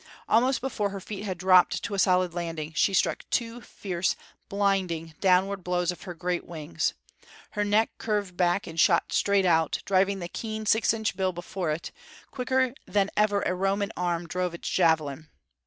Almost before her feet had dropped to a solid landing she struck two fierce, blinding, downward blows of her great wings. Her neck curved back and shot straight out, driving the keen six inch bill before it, quicker than ever a Roman arm drove its javelin.